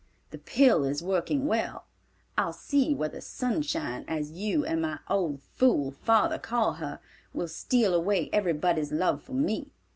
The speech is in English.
The pill is working well; I'll see whether 'Sunshine,' as you and my old fool father call her, will steal away everybody's love for me.